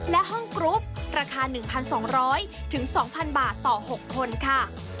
และห้องกรุ๊ปราคา๑๒๐๐๒๐๐บาทต่อ๖คนค่ะ